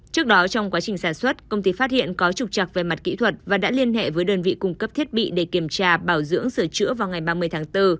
trước đó trong quá trình sản xuất công ty phát hiện có trục trặc về mặt kỹ thuật và đã liên hệ với đơn vị cung cấp thiết bị để kiểm tra bảo dưỡng sửa chữa vào ngày ba mươi tháng bốn